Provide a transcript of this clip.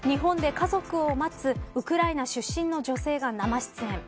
日本で家族を待つウクライナ出身の女性が生出演。